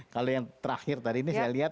kalau yang terakhir tadi ini saya lihat